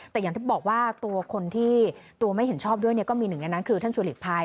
แต่อย่างที่บอกว่าตัวคนที่ตัวไม่เห็นชอบด้วยเนี่ยก็มี๑ในนั้นคือท่านจุฬิกภัย